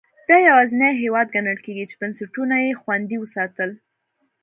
دا یوازینی هېواد ګڼل کېږي چې بنسټونه یې خوندي وساتل.